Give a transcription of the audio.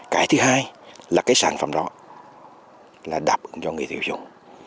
cái thứ hai là cái sản phẩm đó là đáp ứng cho người tiêu dùng